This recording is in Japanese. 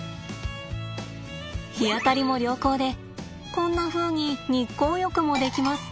日当たりも良好でこんなふうに日光浴もできます。